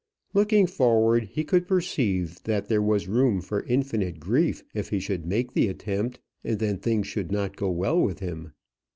Looking forward, he could perceive that there was room for infinite grief if he should make the attempt and then things should not go well with him.